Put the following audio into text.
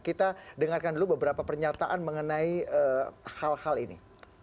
kita dengarkan dulu beberapa pernyataan mengenai hal hal ini